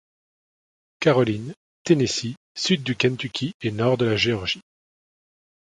Carolines, Tennessee, sud du Kentucky et nord de la Géorgie.